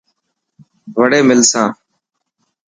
وڙي ملسان.